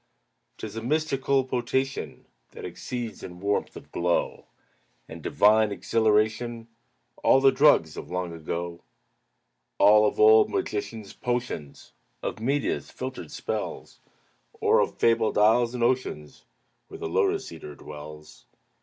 'Tis a mystical potation That exceeds in warmth of glow And divine exhilaration All the drugs of long ago All of old magicians' potions Of Medea's filtered spells Or of fabled isles and oceans Where the Lotos eater dwells!